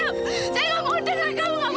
saya nggak mau dengar kamu